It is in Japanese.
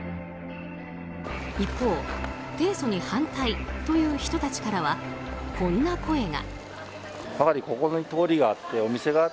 一方提訴に反対という人たちからはこんな声が。